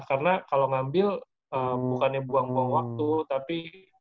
karena kalau ngambil bukannya buang buang waktu tapi